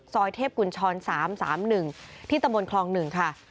ซอยเทพกุญชร๓๓๑ที่ตะมนต์คลอง๑ค่ะ